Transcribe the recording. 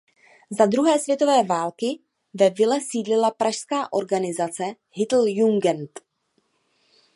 Za druhé světové války ve vile sídlila pražská organizace Hitlerjugend.